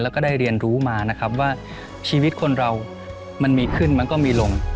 แล้วก็ได้เรียนรู้มานะครับว่าชีวิตคนเรามันมีขึ้นมันก็มีลง